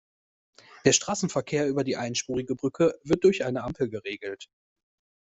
Der Straßenverkehr über die einspurige Brücke wird durch eine Ampel geregelt.